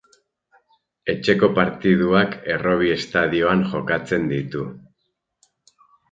Etxeko partiduak Errobi estadioan jokatzen ditu.